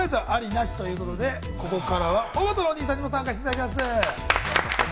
なし？ということで、ここからはおばたのお兄さんにも参加していただきます。